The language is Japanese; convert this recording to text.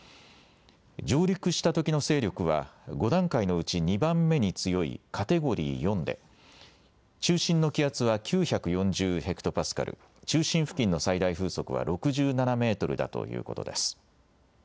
上陸したときの勢力は、５段階のうち２番目に強いカテゴリー４で、中心の気圧は９４０ヘクトパスカル、中心付近の最大風速は６７メートルだということです。